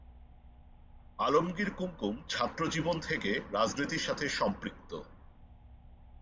আলমগীর কুমকুম ছাত্রজীবন থেকে রাজনীতির সাথে সম্পৃক্ত।